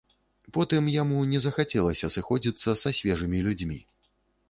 Потым яму не захацелася сыходзіцца са свежымі людзьмі.